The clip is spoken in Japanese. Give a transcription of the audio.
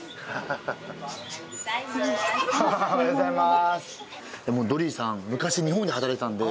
ハハハおはようございます。